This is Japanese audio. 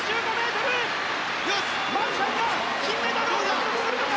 マルシャンが金メダルを獲得するのか！？